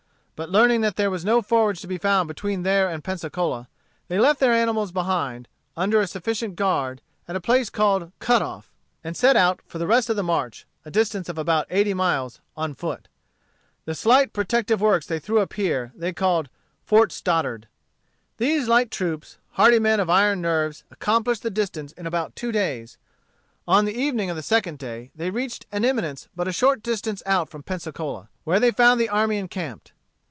But learning that there was no forage to be found between there and Pensacola, they left their animals behind them, under a sufficient guard, at a place called Cut off, and set out for the rest of the march, a distance of about eighty miles, on foot. The slight protective works they threw up here, they called Fort Stoddart. These light troops, hardy men of iron nerves, accomplished the distance in about two days. On the evening of the second day, they reached an eminence but a short distance out from Pensacola, where they found the army encamped.